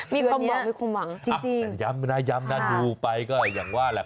มีความหวังมีความหวังจริงแต่ย้ำนะย้ำนะดูไปก็อย่างว่าแหละ